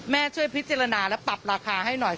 ช่วยพิจารณาและปรับราคาให้หน่อย